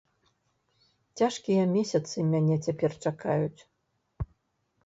Цяжкія месяцы мяне цяпер чакаюць.